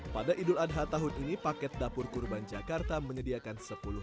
pada idul adha tahun ini paket dapur kurban jakarta menyediakan